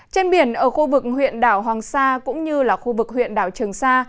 trên biển ở khu vực huyện đảo hoàng sa cũng như là khu vực huyện đảo trường sa